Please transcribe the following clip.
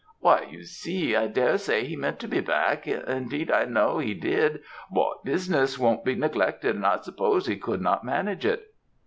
"'Why, you see, I dare say he meant to be back indeed, I know he did: but business won't be neglected, and I suppose he could not manage it.'